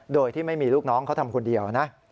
โดยที่ไม่มีลูกน้องเขาทำคนเดียวนะ